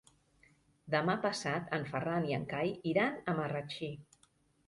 Demà passat en Ferran i en Cai iran a Marratxí.